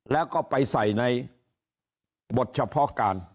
แล้วก็ไปใส่ในบทเฉพาะการ